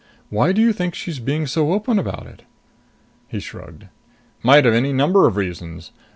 "Why do you think she's being so open about it?" He shrugged. "Might have a number of reasons.